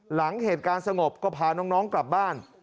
หลังเหตุการณ์สงบก็พาน้องกลับบ้าน